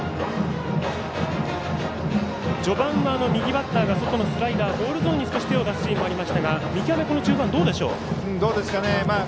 序盤は右バッターが外のスライダーボールゾーンに少し手を出すというのもありましたが見極め、この中盤どうでしょう？